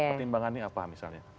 pertimbangannya apa misalnya